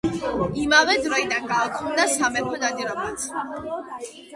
ამავე დროიდან გაუქმდა სამეფო ნადირობაც.